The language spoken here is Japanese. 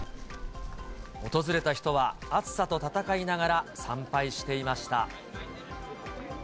訪れた人は暑さと闘いながら参拝していました。